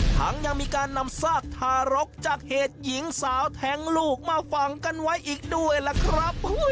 ยังมีการนำซากทารกจากเหตุหญิงสาวแทงลูกมาฝังกันไว้อีกด้วยล่ะครับ